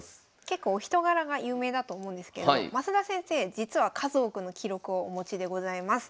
結構お人柄が有名だと思うんですけど升田先生実は数多くの記録をお持ちでございます。